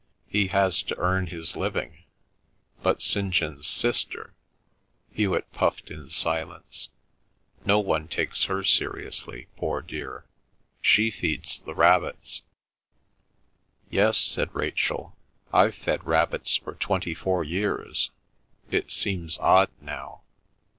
He has to earn his living. But St. John's sister—" Hewet puffed in silence. "No one takes her seriously, poor dear. She feeds the rabbits." "Yes," said Rachel. "I've fed rabbits for twenty four years; it seems odd now."